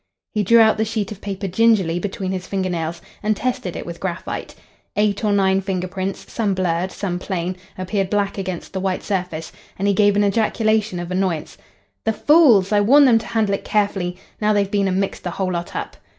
He drew out the sheet of paper gingerly between his finger nails, and tested it with graphite. Eight or nine finger prints, some blurred, some plain, appeared black against the white surface, and he gave an ejaculation of annoyance. "The fools! I warned them to handle it carefully. Now they've been and mixed the whole lot up."